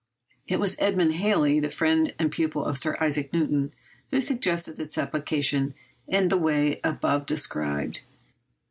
It was Edmund Halley, the friend and pupil of Sir Isaac Newton, who suggested its application in the way above described.